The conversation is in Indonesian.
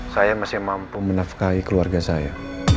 saya masih mampu menafkahi keluarga saya